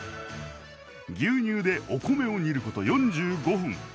牛乳でお米を煮ること４５分。